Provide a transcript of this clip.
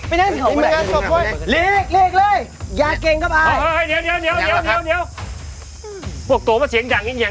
ไปนั่งสิเขาไปนั่งสิเขา